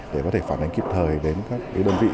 để có thể phản ánh kịp thời đến các đơn vị